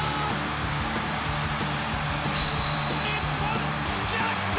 日本、逆転！